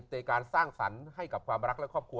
เตะการสร้างสรรค์ให้ความรักที่ความกลัว